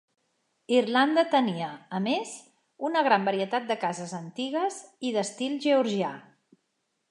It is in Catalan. Irlanda tenia, a més, una gran varietat de cases antigues i d'estil georgià.